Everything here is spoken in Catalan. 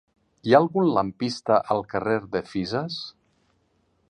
Hi ha algun lampista al carrer de Fisas?